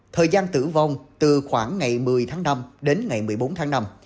thời gian tử vong từ khoảng ngày một mươi tháng năm đến ngày một mươi bốn tháng năm